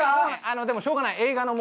でもしょうがない。